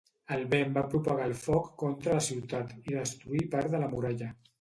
El vent va propagar el foc contra la ciutat i destruí part de la muralla.